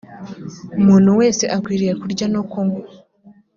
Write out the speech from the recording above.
umuntu wese akwiriye kurya no kunywa